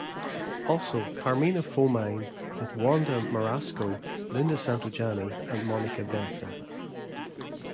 Also "Carmina Foemine" with Wanda Marasco, Linda Santojanni and Monica Ventra.